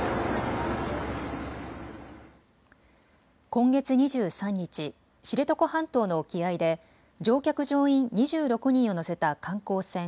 今月２３日、知床半島の沖合で乗客・乗員２６人を乗せた観光船